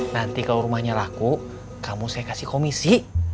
nanti kalau rumahnya raku kamu saya kasih komisi